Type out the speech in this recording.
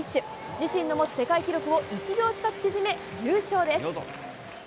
自身の持つ世界記録を１秒近く縮め優勝です。